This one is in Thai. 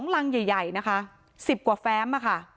๒รังใหญ่๑๐กว่าแฟม